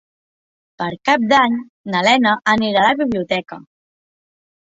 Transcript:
Per Cap d'Any na Lena anirà a la biblioteca.